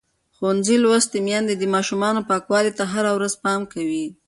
ښوونځې لوستې میندې د ماشومانو پاکوالي ته هره ورځ پام کوي.